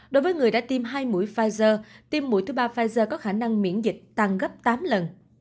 đối với người đã tiêm hai mũi pfizer tim mũi thứ ba pfizer có khả năng miễn dịch tăng gấp tám lần